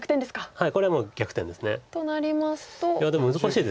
はい。